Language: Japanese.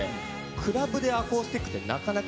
クラブでアコースティックってなかなか。